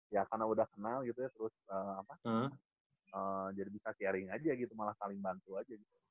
ya karena udah kenal gitu ya terus jadi bisa sharing aja gitu malah saling bantu aja gitu